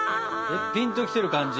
ピンときてる感じ？